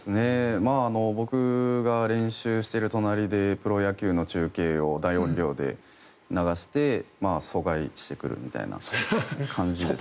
僕が練習している隣でプロ野球の中継を大音量で流して阻害してくるみたいな感じで。